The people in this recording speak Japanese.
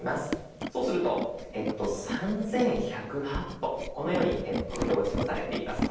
そうすると３，１０８歩このように表示をされています。